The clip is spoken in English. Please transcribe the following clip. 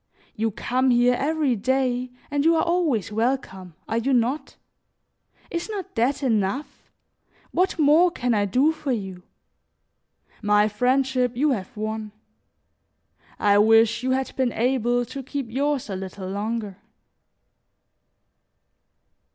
You come here every day and you are always welcome, are you not? Is not that enough? What more can I do for you? My friendship you have won; I wish you had been able to keep yours a little longer."